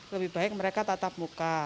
lebih baik mereka tatap muka